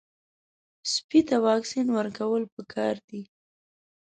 سپي ته واکسین ورکول پکار دي.